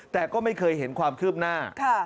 แต่ก็ไม่เคยเห็นความคืบหน้า